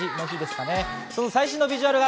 その最新のビジュアルが